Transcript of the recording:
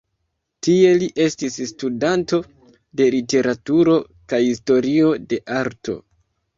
Tie li estis studanto de literaturo kaj historio de arto.